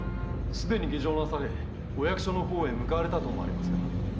すでに下城なされお役所に向かわれたと思われます。